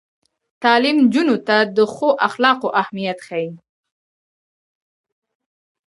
تعلیم نجونو ته د ښو اخلاقو اهمیت ښيي.